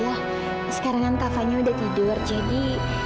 kak fadil sekarang kan kak fahnya udah tidur jadi